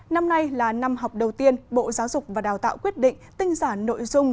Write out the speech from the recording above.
năm nay là năm học đầu tiên bộ giáo dục và đào tạo quyết định tinh giả nội dung